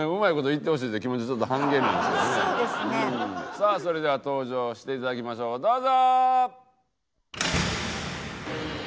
さあそれでは登場していただきましょうどうぞ！